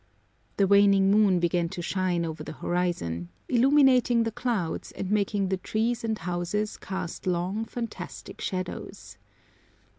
The waning moon began to shine over the horizon, illumining the clouds and making the trees and houses east long, fantastic shadows.